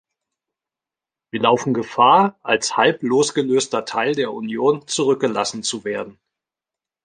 Wir laufen Gefahr, als halb losgelöster Teil der Union zurückgelassen zu werden.